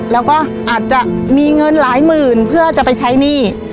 แล้วก็อาจจะมีเงินหลายหมื่นเพื่อจะไปใช้หนี้